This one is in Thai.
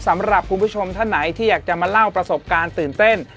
สำหรับคุณผู้ชมท่านไหนที่อยากจะมาเล่าประสบการณ์ตื่นเต้น